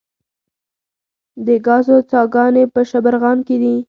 د ګازو څاګانې په شبرغان کې دي